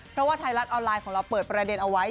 เพราะว่าไทยรัฐออนไลน์ของเราเปิดประเด็นเอาไว้